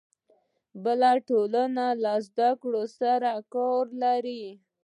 بله ټولنه له زده کړو سره کار لري.